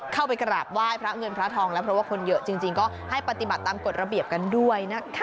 เข้าไปกราบไหว้พระเงินพระทองแล้วเพราะว่าคนเยอะจริงก็ให้ปฏิบัติตามกฎระเบียบกันด้วยนะคะ